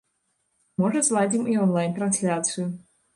Можа, зладзім і он-лайн трансляцыю.